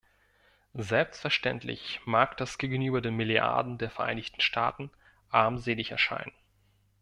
Selbstverständlich mag das gegenüber den Milliarden der Vereinigten Staaten armselig erscheinen.